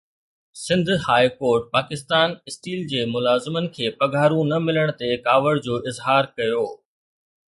Sindh High Court Pakistan Steel جي ملازمن کي پگهارون نه ملڻ تي ڪاوڙ جو اظهار ڪيو